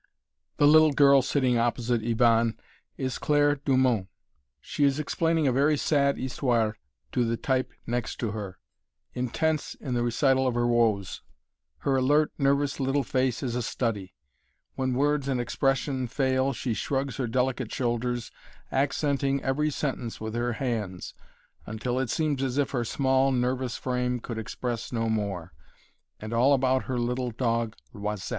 The little girl sitting opposite Yvonne is Claire Dumont. She is explaining a very sad "histoire" to the "type" next to her, intense in the recital of her woes. Her alert, nervous little face is a study; when words and expression fail, she shrugs her delicate shoulders, accenting every sentence with her hands, until it seems as if her small, nervous frame could express no more and all about her little dog "Loisette!"